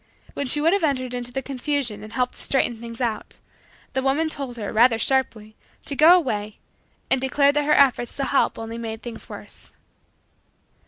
When she would have entered into the confusion and helped to straighten things out, the woman told her, rather sharply, to go away, and declared that her efforts to help only made things worse.